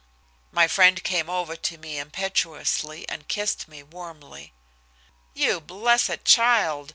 My friend came over to me impetuously, and kissed me warmly. "You blessed child!"